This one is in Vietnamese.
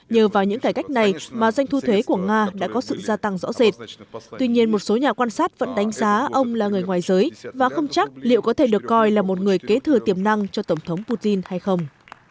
nhờ vào những cải cách này mà doanh thu thuế của nga đã có sự gia tăng rõ rệt tuy nhiên một số nhà quan sát vẫn đánh giá ông là người ngoài giới và không chắc liệu có thể được coi là một người kế thừa tiềm năng cho tổng thống putin hay không